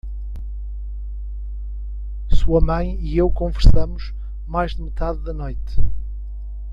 Sua mãe e eu conversamos mais da metade da noite.